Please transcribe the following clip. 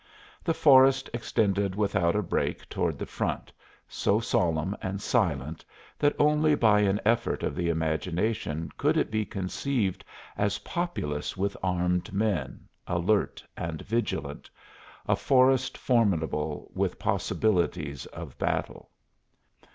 The forest extended without a break toward the front, so solemn and silent that only by an effort of the imagination could it be conceived as populous with armed men, alert and vigilant a forest formidable with possibilities of battle.